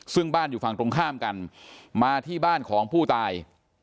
ซึ่งบ้านอยู่ฝั่งตรงข้ามกันมาที่บ้านของผู้ตาย